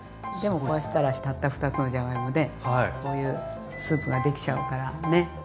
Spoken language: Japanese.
でもこうしたらたった２つのじゃがいもでこういうスープができちゃうからね。